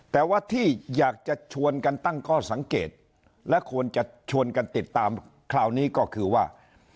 แต่ว่าที่อยากจะชวนกันตั้งข้อสังเกตและควรจะชวนกันติดตามคราวนี้ก็คือว่า